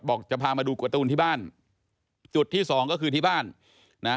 จะพามาดูการ์ตูนที่บ้านจุดที่สองก็คือที่บ้านนะ